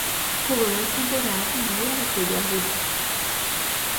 Jugó dos temporadas y media en el club de Hamburgo.